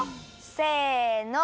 せの！